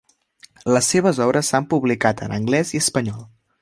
Les seves obres s"han publicat en anglès i espanyol.